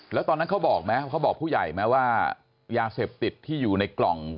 แล้วตอนนั้นเขาบอกไหมเขาบอกผู้ใหญ่ไหมว่ายาเสพติดที่อยู่ในกล่อง